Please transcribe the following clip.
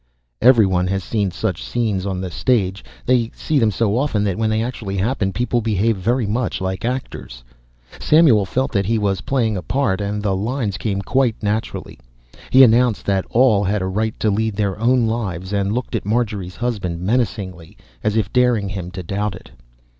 Every one has seen such scenes on the stage seen them so often that when they actually happen people behave very much like actors. Samuel felt that he was playing a part and the lines came quite naturally: he announced that all had a right to lead their own lives and looked at Marjorie's husband menacingly, as if daring him to doubt it.